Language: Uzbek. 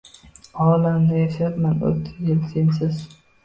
Olamda yashabman o’ttiz yil sensiz.